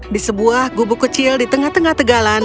di sebuah gubuk kecil di tengah tengah tegalan